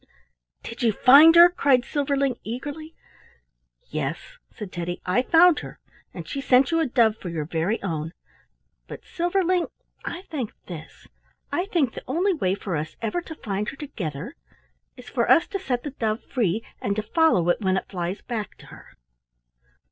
"Did you find her?" cried Silverling, eagerly. "Yes," said Teddy, "I found her, and she sent you a dove for your very own; but, Silverling, I think this. I think the only way for us ever to find her together is for us to set the dove free, and to follow it when it flies back to her."